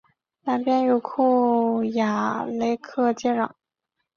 南边与库雅雷克接壤。